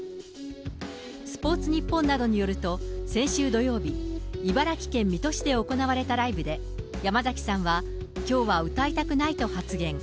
スポーツニッポンなどによると、先週土曜日、茨城県水戸市で行われたライブで、山崎さんは、きょうは歌いたくないと発言。